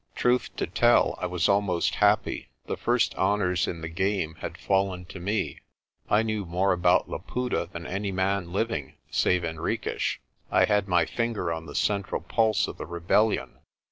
Truth to tell, I was almost happy. The first honours in the game had fallen to me. I knew more about Laputa than any man living save Henriques; I had my finger on the central pulse of the rebellion.